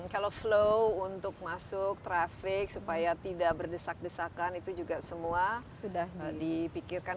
kalau flow untuk masuk traffic supaya tidak berdesak desakan itu juga semua sudah dipikirkan